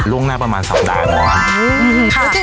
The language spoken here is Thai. ล่วงหน้าประมาณ๒หลัง